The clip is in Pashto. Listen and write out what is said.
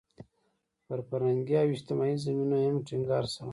پر فرهنګي او اجتماعي زمینو یې هم ټینګار شوی.